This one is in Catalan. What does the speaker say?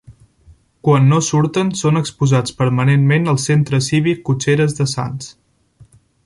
Quan no surten són exposats permanentment al centre cívic Cotxeres de Sants.